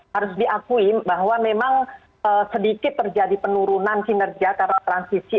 harus diakui bahwa memang sedikit terjadi penurunan kinerja karena transisi